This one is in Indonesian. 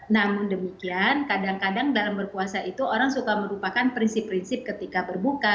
namun demikian kadang kadang dalam berpuasa itu orang suka merupakan prinsip prinsip ketika berbuka